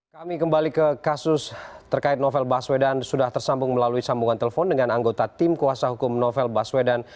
kami kembali ke kasus terkait novel baswedan sudah tersambung melalui sambungan telepon dengan anggota tim kuasa hukum novel baswedan